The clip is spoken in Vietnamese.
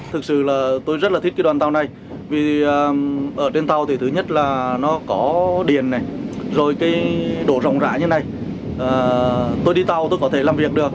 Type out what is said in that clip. thực sự là tôi rất là thích cái đoàn tàu này vì ở trên tàu thì thứ nhất là nó có điền này rồi cái đổ rộng rãi như này tôi đi tàu tôi có thể làm việc được